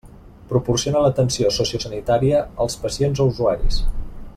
Proporciona l'atenció sociosanitària als pacients o usuaris.